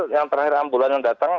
yang terakhir ambulan yang datang